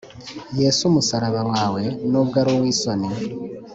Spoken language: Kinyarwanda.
Yes' umusaraba wawe, Nubw' ar' uw'isoni,